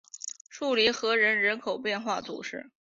树林河人口变化图示